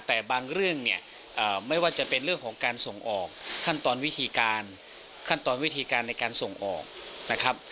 แต่บางเรื่องเนี่ยไม่ว่าจะเป็นเรื่องของการส่งออกขั้นตอนวิธีการขั้นตอนวิธีการในการส่งออกนะครับ